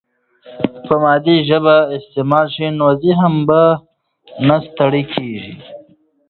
که مادي ژبه استعمال شي، نو ذهن نه ستړی کیږي.